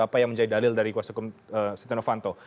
apa yang menjadi dalil dari kuasa hukum setia novanto